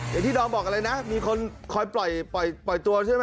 อย่างที่ดอมบอกอะไรนะมีคนคอยปล่อยตัวใช่ไหม